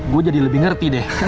gue jadi lebih ngerti deh